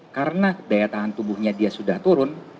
karena daya tahan tubuhnya dia sudah turun